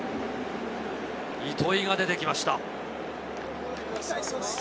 糸井が出てきました。